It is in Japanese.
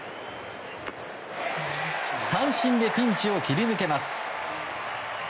三振でピンチを切り抜けます。